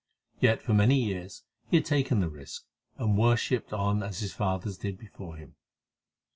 Yet for many years he had taken the risk, and worshipped on as his fathers did before him.